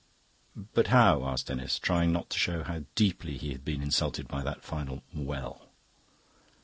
"But how?" asked Denis, trying not to show how deeply he had been insulted by that final "well."